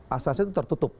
asasnya itu tertutup